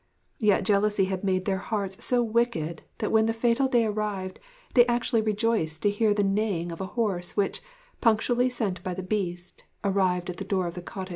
Yet jealousy had made their hearts so wicked that when the fatal day arrived they actually rejoiced to hear the neighing of a horse which, punctually sent by the Beast, arrived at the door of the cottage.